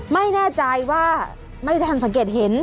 ไม่แน่ใจว่าไม่ทันสังเกตเห็น